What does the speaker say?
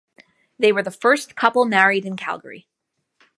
They were the first couple married in Calgary.